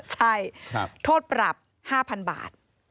ใช่โทษปรับ๕๐๐๐บาท